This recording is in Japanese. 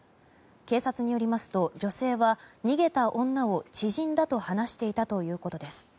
警察によりますと女性は逃げた女を知人だと話していたということです。